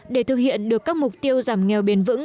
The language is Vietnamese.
để thực hiện được các mục tiêu giảm nghèo bền vững